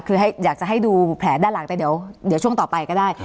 คืออยากจะให้ดูแผลด้านหลังแต่เดี๋ยวช่วงต่อไปก็ได้